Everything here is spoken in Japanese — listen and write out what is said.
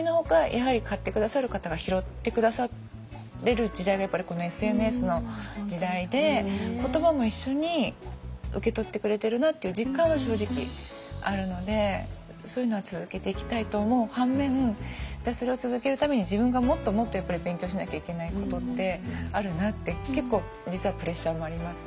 やはり買って下さる方が拾って下される時代がやっぱりこのＳＮＳの時代で言葉も一緒に受け取ってくれてるなっていう実感は正直あるのでそういうのは続けていきたいと思う反面じゃあそれを続けるために自分がもっともっとやっぱり勉強しなきゃいけないことってあるなって結構実はプレッシャーもあります。